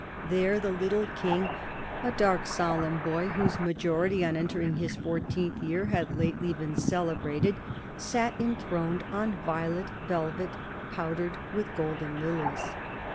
There the little King, a 68 CARDINAL DE RICHELIEU dark, solemn boy, whose majority, on entering his fourteenth year, had lately been celebrated, sat enthroned " on violet velvet, powdered with golden lilies."